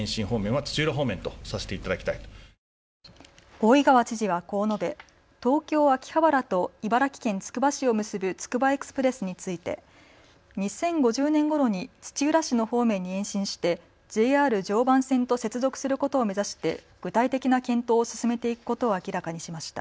大井川知事はこう述べ東京秋葉原と茨城県つくば市を結ぶつくばエクスプレスについて２０５０年ごろに土浦市の方面に延伸してＪＲ常磐線と接続することを目指して具体的な検討を進めていくことを明らかにしました。